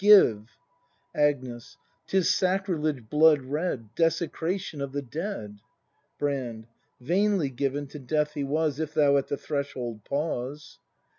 Give! Agnes. 'Tis sacrilege blood red. Desecration of the dead! Brand. Vainly given to death he was If thou at the threshold pause.